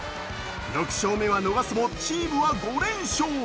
６勝目は逃すもチームは５連勝。